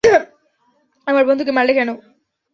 আমার বন্ধুকে মারলে কেন?